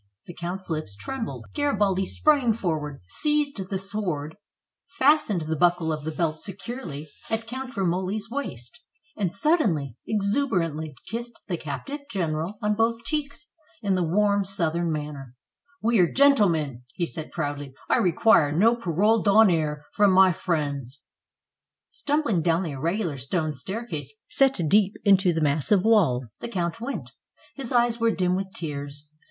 The ccunt's lips trembled. 138 GARIBALDI AND HIS PRISONER Garibaldi sprang forward, seized the sword, fastened the buckle of the belt securely at Count Romoli's waist, and suddenly, exuberantly, kissed the captive general on both cheeks, in the warm, Southern manner. "We are gentlemen!" he said proudly. "I require no ^parole d'honneur' from my friends." Stumbling down the irregular stone staircase set deep into the massive walls, the count went. His eyes were dim with tears.